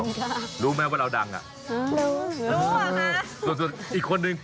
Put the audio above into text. ก็คือเหมือนน้องป๊อปด้วย